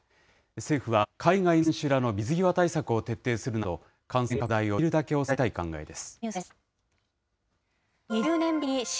政府は、海外の選手らの水際対策を徹底するなど、感染拡大をできるだけ抑えたい考えです。